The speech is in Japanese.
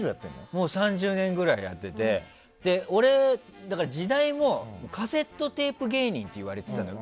もう３０年ぐらいやってて時代もカセットテープ芸人って言われていたの。